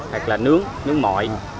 hoặc là nướng nướng mội